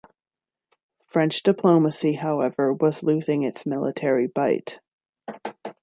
French diplomacy however was losing its military bite.